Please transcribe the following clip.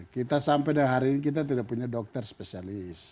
kita sampai dengan hari ini kita tidak punya dokter spesialis